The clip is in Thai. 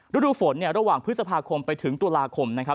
ฤดูฝนเนี่ยระหว่างพฤษภาคมไปถึงตุลาคมนะครับ